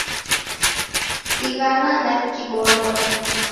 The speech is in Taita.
Sighana na kiborori